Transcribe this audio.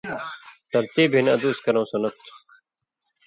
ترتیب ہِن ادُوس کَرٶں سنت تھُو۔